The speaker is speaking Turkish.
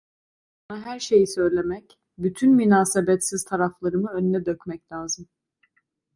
Sana her şeyi söylemek, bütün münasebetsiz taraflarımı önüne dökmek lazım…